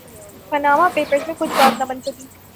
Panama Papers میں کچھ بات نہ بن سکی۔